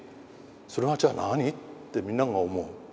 それはじゃあ何？ってみんなが思う。